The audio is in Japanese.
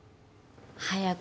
早く